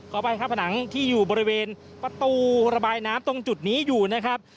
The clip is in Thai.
อภัยครับผนังที่อยู่บริเวณประตูระบายน้ำตรงจุดนี้อยู่นะครับ